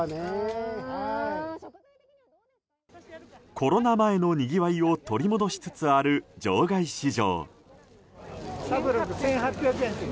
コロナ前のにぎわいを取り戻しつつある場外市場。